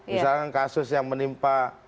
misalnya kasus yang menimpa